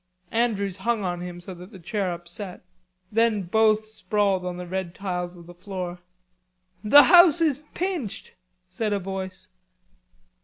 Andrews hung on him so that the chair upset. Then both sprawled on the red tiles of the floor. "The house is pinched!" said a voice.